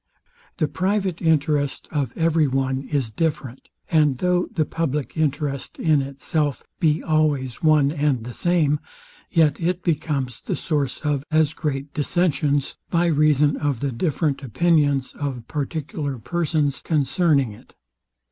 The private interest of every one is different; and though the public interest in itself be always one and the same, yet it becomes the source of as great dissentions, by reason of the different opinions of particular persons concerning it.